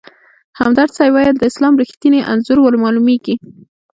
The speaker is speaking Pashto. همدرد صیب ویل: د اسلام رښتیني انځور ورمالومېږي.